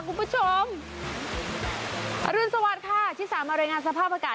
คุณผู้ชมอรุณสวัสดิ์ค่ะที่สามมารายงานสภาพอากาศ